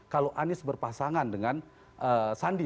kalau anies berpasangan dengan sandi